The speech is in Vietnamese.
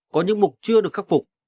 có những mục chưa được khắc phục